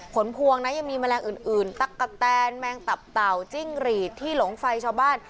ผลพวงนะยังมีแมลงอื่นตั๊กกะแตนแมงตับเต่าจิ้งหรีดที่หลงไฟชาวบ้าน